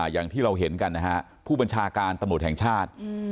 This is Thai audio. อย่างที่เราเห็นกันนะฮะผู้บัญชาการตำรวจแห่งชาติ